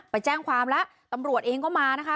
ไปแจ้งความแล้วตำรวจเองก็มานะคะ